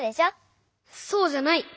そうじゃない！